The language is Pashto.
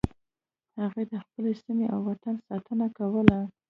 هغه د خپلې سیمې او وطن ساتنه کوله.